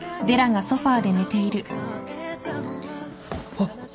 あっ。